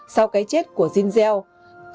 sau cái chết của giselle